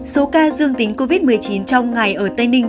số ca dương tính covid một mươi chín trong ngày ở tây ninh